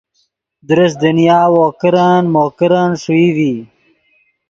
درست دنیا وو کرن مو کرن ݰوئی ڤی